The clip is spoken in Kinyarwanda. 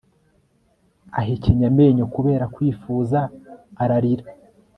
Ahekenya amenyo kubera kwifuza ararira